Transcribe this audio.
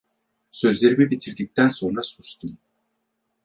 Sözlerimi bitirdikten sonra sustum.